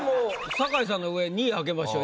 酒井さんの上２位開けましょう。